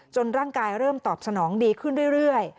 ร่างกายเริ่มตอบสนองดีขึ้นเรื่อย